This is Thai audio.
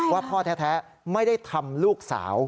ว่าพ่อแท้ไม่ได้ทำลูกสาว